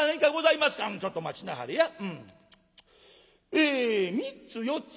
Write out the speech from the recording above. え３つ４つ。